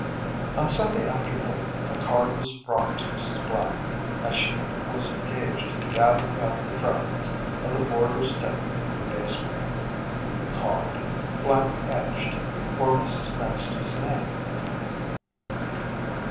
On Sunday afternoon a card was brought to Mrs. Black, as she was engaged in gathering up the fragments of the boarders’ dinner in the basement. The card, black edged, bore Mrs. Manstey’s name.